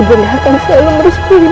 ibu nang akan selamatkan ibu